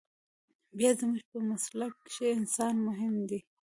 بيا زموږ په مسلک کښې انسان مهم ديه.